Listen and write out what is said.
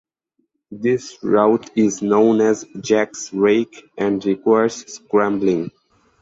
This route is known as "Jack's Rake", and requires scrambling.